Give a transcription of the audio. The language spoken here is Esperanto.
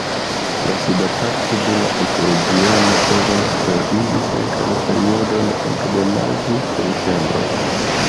La suda parto de la ekoregiono povas travivi sekan periodon ekde majo ĝis septembro.